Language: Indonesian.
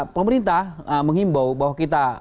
pemerintah mengimbau bahwa kita